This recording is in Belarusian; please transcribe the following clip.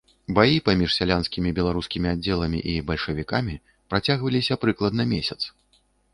Баі паміж сялянскімі беларускімі аддзеламі і бальшавікамі працягваліся прыкладна месяц.